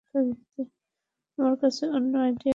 আমার কাছে অন্য আইডিয়া আছে, স্যার।